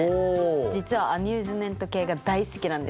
実はアミューズメント系が大好きなんですよ。